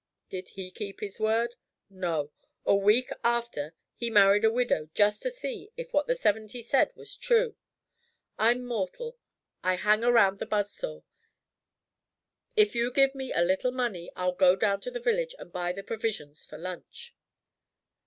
Did he keep his word? No. A week after he married a widow just to see if what the seventy said was true. I'm mortal. I hang around the buzz saw. If you give me a little money, I'll go down to the village and buy the provisions for lunch."